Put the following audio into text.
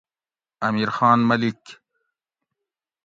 امیر خان ملیک